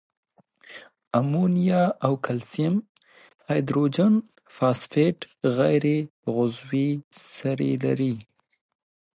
امونیا او کلسیم هایدروجن فاسفیټ غیر عضوي سرې دي.